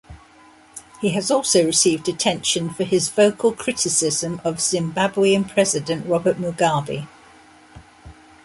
He has also received attention for his vocal criticism of Zimbabwean president Robert Mugabe.